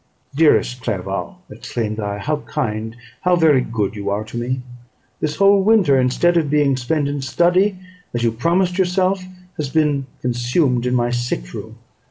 "Dearest Clerval," exclaimed I, "how kind, how very good you are to me. This whole winter, instead of being spent in study, as you promised yourself, has been consumed in my sick room.